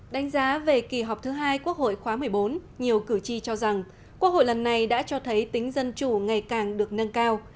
đánh giá về kỳ họp thứ hai quốc hội khóa một mươi bốn nhiều cử tri cho rằng quốc hội lần này đã cho thấy tính dân chủ ngày càng được nâng cao